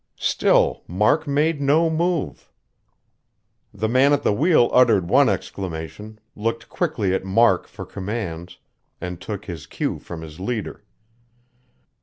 Still Mark made no move. The man at the wheel uttered one exclamation, looked quickly at Mark for commands, and took his cue from his leader.